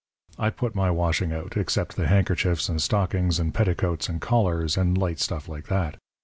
'I put my washing out, except the handkerchiefs and stockings and petticoats and collars, and light stuff like that.